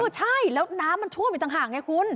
ใช่แล้วน้ำมันท่วมอีกต่างหากไงคุณ